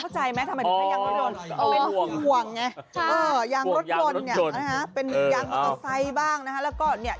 ใช่อ๋อเป็นห่วงไงยางรถยนต์เป็นยางมัตตาไซส์บ้างนะฮะแล้วก็เนี่ย